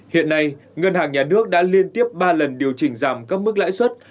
hiện nay ngân hàng nhà nước đã liên tiếp ba lần điều chỉnh giảm các mức lãi suất